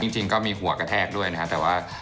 จริงก็มีหัวกระแทกด้วยนะครับแต่ว่า